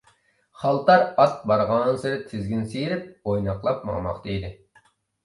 خالتار ئات بارغانسېرى تىزگىن سىيرىپ، ئويناقلاپ ماڭماقتا ئىدى.